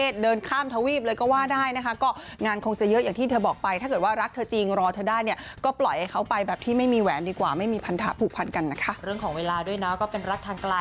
ส่วนคราวที่เมฆขอแต่งงานปูปรายยาก็ตอบแบบไม่อยากจะกันไว้แล้วค่ะ